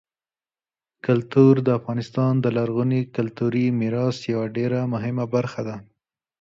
کلتور د افغانستان د لرغوني کلتوري میراث یوه ډېره مهمه برخه ده.